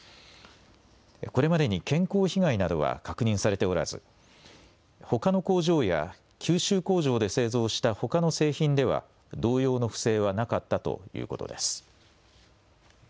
これまでに健康被害などは確認されておらずほかの工場や九州工場で製造したほかの製品では同様の不正はなかったということです。